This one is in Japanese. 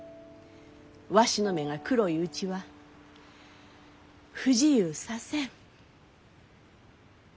わしの目が黒いうちは不自由させん。